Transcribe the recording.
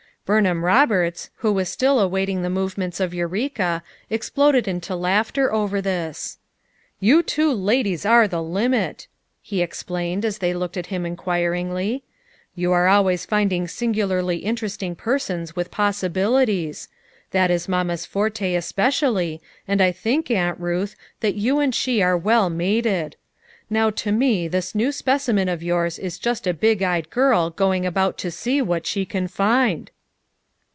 " Burnham Roberts, who was still awaiting the movements of Eureka, exploded into laughter over this. "You two ladies are the limit!" he explained as they looked at him inquiringly. "You are always finding singularly interesting persons with possibilities. That is mamma's forte especially, and I think, Aunt Ruth, that you and she are well mated. Now to me this new speci men of yours is just a big eyed girl going about to see what she can find."